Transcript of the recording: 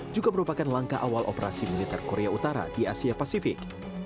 juga merupakan langkah awal operasi militer korea utara di asia pasifik